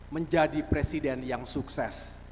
menjadi presiden yang sukses